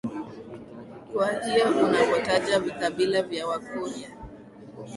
Kwa hiyo unapotaja vikabila vya Wakurya